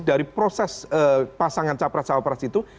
dari proses pasangan caper forests itu